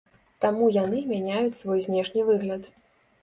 Таму яны мяняюць свой знешні выгляд.